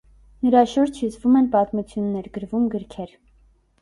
Նրա շուրջ հյուսվում են պատմություններ, գրվում գրքեր։